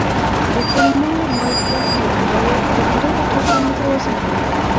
د کولمو مایکروبیوم باید په دوامداره توګه متوازن وي.